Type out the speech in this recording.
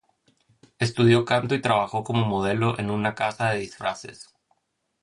Estudió canto y trabajó como modelo en una casa de disfraces.